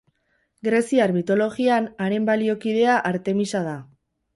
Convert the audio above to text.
Greziar mitologian, haren baliokidea Artemisa da.